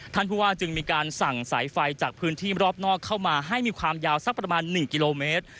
ท่านผู้ว่าจึงมีการสั่งสายไฟจากพื้นที่รอบนอกเข้ามาให้มีความยาวสักประมาณ๑กิโลเมตร